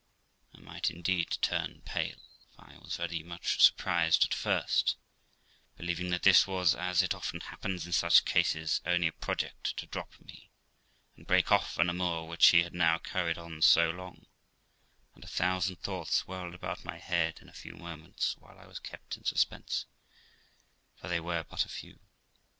I might indeed turn pale, for I was very much surprised at first, believing that this was, as it often happens in such cases, only a project to drop me, and break off an amour which he had now carried on so long; and a thousand thoughts whirled about my head in the few moments while I was kept in suspense, for they were but a few.